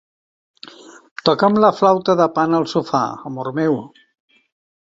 Toca'm la flauta de Pan al sofà, amor meu.